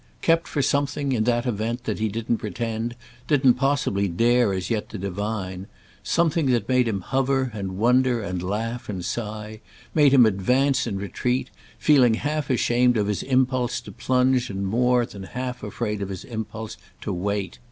Kept for something, in that event, that he didn't pretend, didn't possibly dare as yet to divine; something that made him hover and wonder and laugh and sigh, made him advance and retreat, feeling half ashamed of his impulse to plunge and more than half afraid of his impulse to wait.